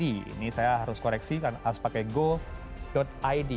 ini saya harus koreksi harus pakai go id